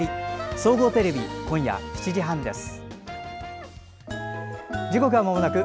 総合テレビ、今夜７時半です。